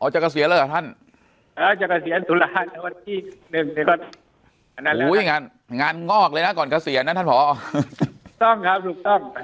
อ๋อจะกระเสียแรกงานก่อนกระเสียนั่นเพราะต้องครับผู้